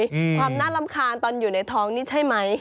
ความน่ารำคาญตอนอยู่ในท้องนี่ใช่ไหม